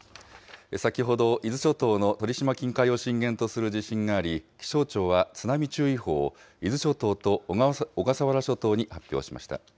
先ほど、伊豆諸島の鳥島近海を震源とする地震があり、気象庁は津波注意報を伊豆諸島と小笠原諸島に発表しました。